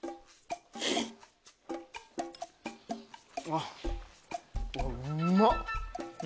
あっ。